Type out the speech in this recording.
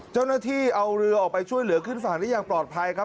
เจ้าหน้าที่เอาเรือออกไปช่วยเหลือขึ้นฝั่งได้อย่างปลอดภัยครับ